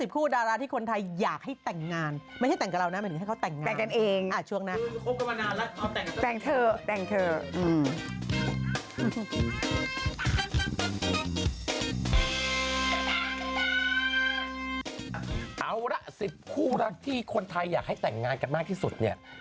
คู่แรกฯนี้แหละรึอันดับที่๑๐แหละ